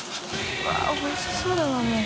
うわおいしそうだなもう。